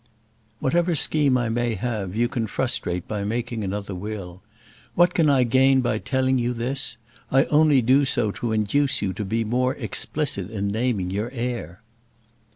"Whatever scheme I may have, you can frustrate by making another will. What can I gain by telling you this? I only do so to induce you to be more explicit in naming your heir."